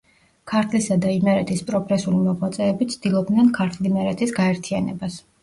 ქართლისა და იმერეთის პროგრესული მოღვაწეები ცდილობდნენ ქართლ-იმერეთის გაერთიანებას.